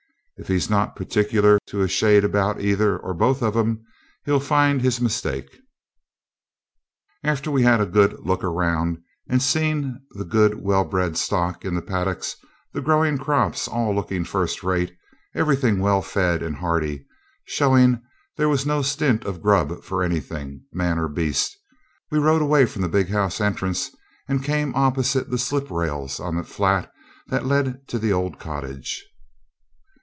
If he's not particular to a shade about either or both of 'em, he'll find his mistake. After we'd had a good look round and seen the good well bred stock in the paddocks, the growing crops all looking first rate, everything well fed and hearty, showing there was no stint of grub for anything, man or beast, we rode away from the big house entrance and came opposite the slip rails on the flat that led to the old cottage.